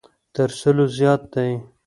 تر سلو زیات دی.